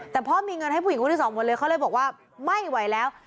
แต่พ่อมีเงินให้ผู้หญิงคนที่สองหมดเลยเขาเลยบอกว่าไม่ไหวแล้ว